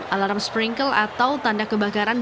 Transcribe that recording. alarm sprinkle atau tanda kebakaran